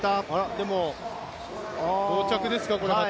でも、同着ですね。